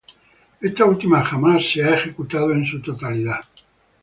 Esta última jamás ha sido ejecutada en su totalidad.